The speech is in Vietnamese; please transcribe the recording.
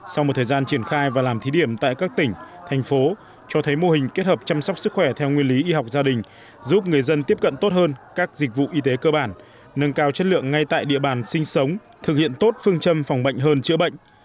sau một thời gian triển khai và làm thí điểm tại các tỉnh thành phố cho thấy mô hình kết hợp chăm sóc sức khỏe theo nguyên lý y học gia đình giúp người dân tiếp cận tốt hơn các dịch vụ y tế cơ bản nâng cao chất lượng ngay tại địa bàn sinh sống thực hiện tốt phương châm phòng bệnh hơn chữa bệnh